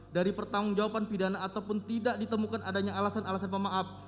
dari pertanggung jawaban pidana ataupun tidak ditemukan adanya alasan alasan pemaaf